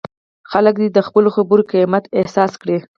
خلک دې د خپلو خبرو قیمت احساس کړي.